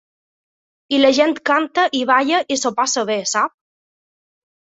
I la gent canta i balla i s’ho passa bé, sap?